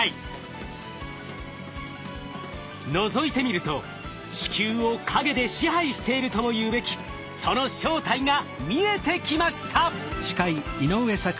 のぞいてみると地球を陰で支配しているとも言うべきその正体が見えてきました。